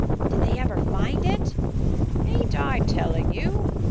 "Did they ever find it?" "Ain't I telling you?